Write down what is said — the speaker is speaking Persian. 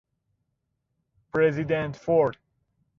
پرزیدنت فورد